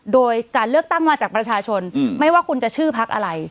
โดยการเลือกตั้งมาจากประชาชนไม่ว่าคุณจะชื่อพักอะไร